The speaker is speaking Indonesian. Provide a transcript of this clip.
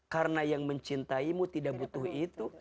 karena yang mencintaimu tidak butuh itu